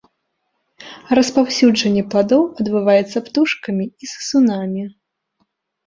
Распаўсюджанне пладоў адбываецца птушкамі і сысунамі.